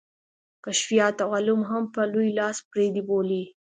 کشفیات او علوم هم په لوی لاس پردي بولو.